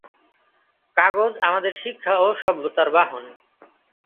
কাগজ আমাদের শিক্ষা ও সভ্যতার বাহন।